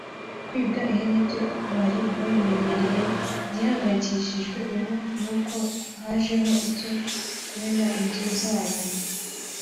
kwibwa ihene byo bari barabimenyereye igihangayikishije ubu nuko hajeho icyo kumena inzu zabo